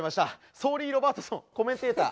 ソーリー・ロバートソンコメンテーター。